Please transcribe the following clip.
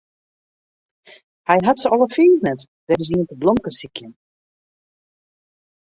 Hy hat se alle fiif net, der is ien te blomkesykjen.